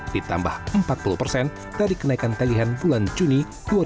ditambah empat puluh persen dari kenaikan tagihan bulan juni dua ribu dua puluh